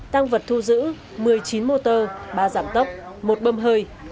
tăng vật thu giữ một mươi chín motor ba giảm tốc một bâm hơi